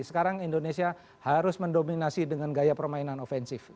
sekarang indonesia harus mendominasi dengan gaya permainan ofensif